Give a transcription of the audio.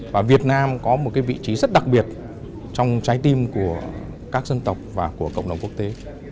và việt nam có một vị trí rất đặc biệt trong trái tim của các dân tộc và của cộng đồng quốc tế